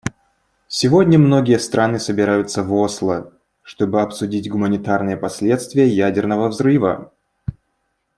Сегодня многие страны собираются в Осло, чтобы обсудить гуманитарные последствия ядерного взрыва.